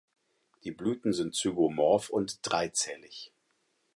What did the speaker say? Die Blüten sind zygomorph und dreizählig.